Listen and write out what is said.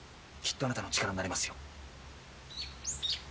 きっとあなたの力になれますよ。